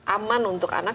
aman untuk anak